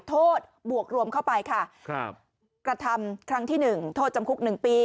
บวกรวมเข้าไปค่ะครับกระทำครั้งที่หนึ่งโทษจำคุกหนึ่งปี